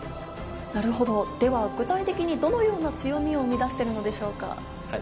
なるほどでは具体的にどのような強みを生み出しているのでしょうか？